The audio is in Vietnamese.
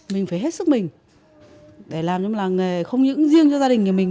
mình phải hết sức mình để làm cho một làng nghề không những riêng cho gia đình mình